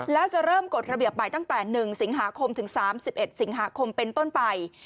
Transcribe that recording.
แล้วจะเริ่มกฎระเบียบใหม่ตั้งแต่๑สิงหาคมถึง๓๑สิงหาคมเป็นต้นไป